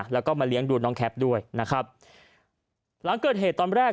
เลือดน้องแคพด้วยนะครับ